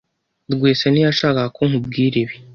Rwesa ntiyashakaga ko nkubwira ibi,